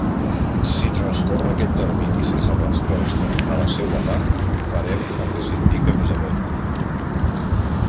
Si transcorre aquest termini sense resposta de la seua part, farem el que s'indica més amunt.